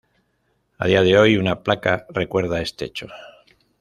A día de hoy, una placa recuerda este hecho.